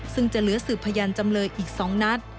ซึ่งจะเหลือสืบพยานจำเลยอีก๒นัด